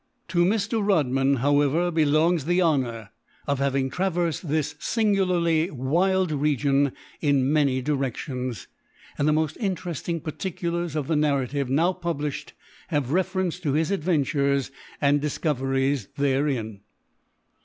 To Mr. Rodman, however, belongs the honor of having traversed this singularly wild region in many directions; and the most interesting particulars of the narrative now published have reference to his adventures and discoveries therein.